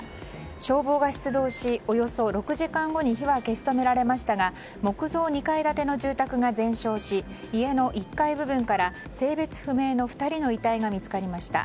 消防が出動し、およそ６時間後に火は消し止められましたが木造２階建ての住宅が全焼し家の１階部分から性別不明の２人の遺体が見つかりました。